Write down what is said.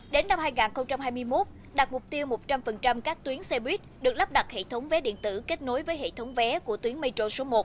đến năm hai nghìn hai mươi một đạt mục tiêu một trăm linh các tuyến xe buýt được lắp đặt hệ thống vé điện tử kết nối với hệ thống vé của tuyến metro số một